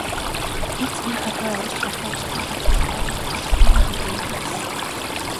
Эгц бэрх хад руу авирч байхдаа бичлэг хийж, баталгаажуулж, үзэгчидтэйгээ хамт авирахыг хүссэн.